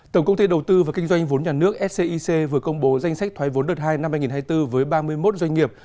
tổng công ty đầu tư và kinh doanh vốn nhà nước scic vừa công bố danh sách thoái vốn đợt hai năm hai nghìn hai mươi bốn với ba mươi một doanh nghiệp